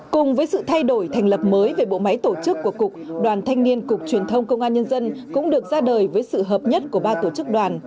cùng với sự thay đổi thành lập mới về bộ máy tổ chức của cục đoàn thanh niên cục truyền thông công an nhân dân cũng được ra đời với sự hợp nhất của ba tổ chức đoàn